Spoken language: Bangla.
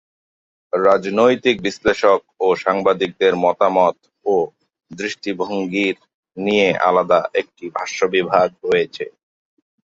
রাজনৈতিক বিশ্লেষক ও সাংবাদিকদের মতামত ও দৃষ্টিভঙ্গির নিয়ে আলাদা একটি ভাষ্য বিভাগ রয়েছে।